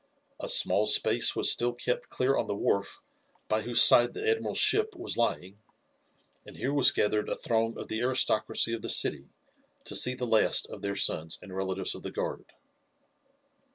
A small space was still kept clear on the wharf by whose side the admiral's ship was lying, and here was gathered a throng of the aristocracy of the city to see the last of their sons and relatives of the guard.